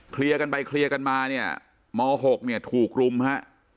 เคลียร์กันไปเคลียร์กันมาเนี่ยม๖เนี่ยถูกรุมฮะ